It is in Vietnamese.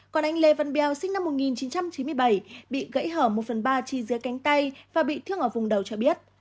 còn anh lê văn bèo sinh năm một nghìn chín trăm chín mươi bảy bị gãy hở một phần ba chi dưới cánh tay và bị thương ở vùng đầu cho biết